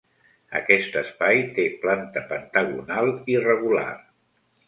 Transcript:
Aquest espai té planta pentagonal irregular.